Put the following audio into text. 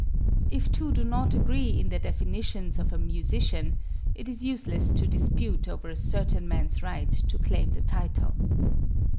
If two do not agree in their definitions of a Musician, it is useless to dispute over a certain man's right to claim the title.